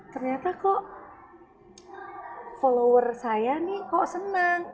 ternyata kok follower saya nih kok senang